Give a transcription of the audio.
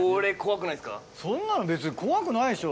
そんなの別に怖くないでしょ